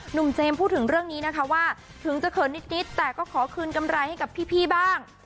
เจมส์พูดถึงเรื่องนี้นะคะว่าถึงจะเขินนิดแต่ก็ขอคืนกำไรให้กับพี่บ้าง